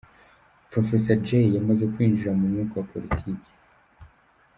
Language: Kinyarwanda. Professor Jay yamaze kwinjira mu mwuka wa politiki.